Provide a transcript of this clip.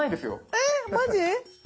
えっマジ？